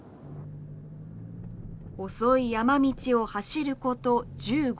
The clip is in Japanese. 細い山道を走ること１５分。